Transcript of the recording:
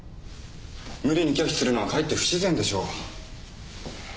無理に拒否するのはかえって不自然でしょう。